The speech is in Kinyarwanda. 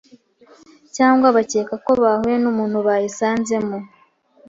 cyangwa bakeka ko bahuye n'umuntu bayisanzemo,